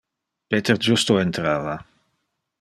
Peter justo entrava.